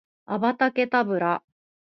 アバタケタブラ